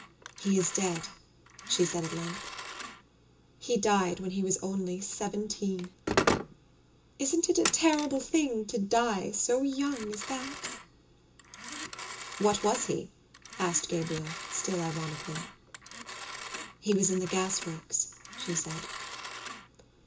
"He is dead," she said at length. "He died when he was only seventeen. Isn't it a terrible thing to die so young as that?" "What was he?" asked Gabriel, still ironically. "He was in the gasworks," she said.